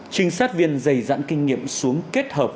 trinh sát viên dày dặn kinh nghiệm xuống kết hợp